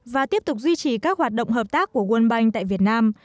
và tiếp tục duy trì các hoạt động hợp tác của world bank tại việt nam